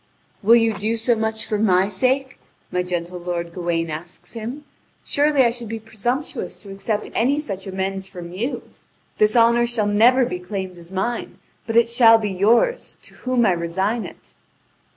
"Will you do so much for my sake?" my gentle lord Gawain asks him; "surely I should be presumptuous to accept any such amends from you. This honour shall never be claimed as mine, but it shall be yours, to whom I resign it."